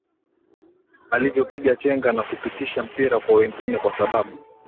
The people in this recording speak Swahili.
Alivyopiga chenga na kupitisha mpira kwa wengine kwasababu